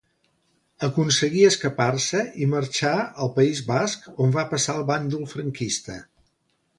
Aconseguí escapar-se i marxà al País Basc, on va passar al bàndol franquista.